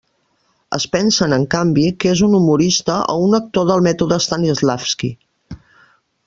Es pensen, en canvi, que és un humorista, o un actor del mètode Stanislavski.